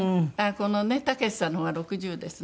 このね武さんの方が６０ですね。